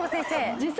実際。